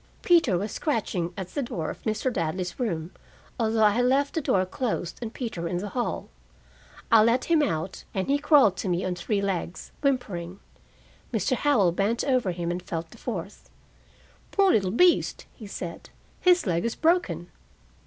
Peter was scratching at the door of Mr. Ladley's room, although I had left the door closed and Peter in the hall. I let him out, and he crawled to me on three legs, whimpering. Mr. Howell bent over him and felt the fourth. "Poor little beast!" he said. "His leg is broken!"